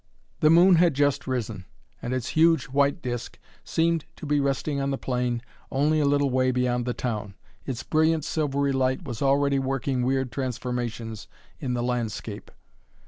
The moon had just risen, and its huge white disk seemed to be resting on the plain only a little way beyond the town. Its brilliant silvery light was already working weird transformations in the landscape.